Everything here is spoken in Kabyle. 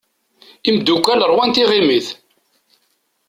Imddukal rwan tiɣimit.